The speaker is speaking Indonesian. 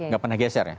gak pernah geser ya